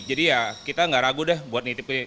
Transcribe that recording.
jadi ya kita gak ragu deh buat nitip ini